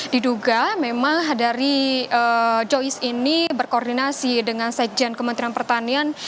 diduga memang dari joyce ini berkoordinasi dengan sekjen kementerian pertanian